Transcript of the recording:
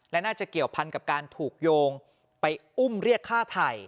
และน่าจะเกี่ยวพันกับการถูกโยงไปอุ้มเรียกฆ่าไทย